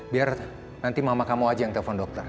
biar nanti mama kamu aja yang telpon dokter